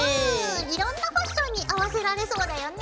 いろんなファッションに合わせられそうだよね。